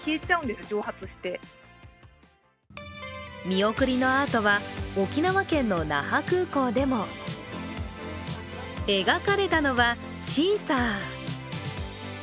見送りのあとは、沖縄県の那覇空港でも描かれたのはシーサー。